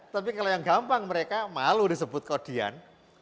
tapi kalau yang gampang mereka malu disebut kodian